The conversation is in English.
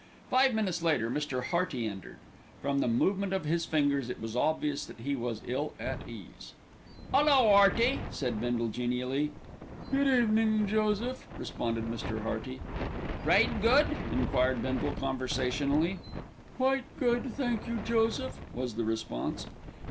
Five minutes later Mr. Hearty entered. From the movement of his fingers, it was obvious that he was ill at ease. "'Ullo, 'Earty!" said Bindle genially. "Good evening, Joseph," responded Mr. Hearty. "Trade good?" enquired Bindle conversationally. "Quite good, thank you, Joseph," was the response.